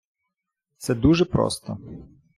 Це дуже просто.